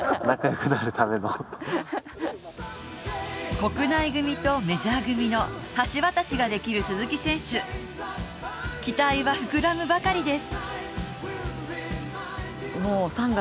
国内組とメジャー組の橋渡しができる鈴木選手期待は膨らむばかりです。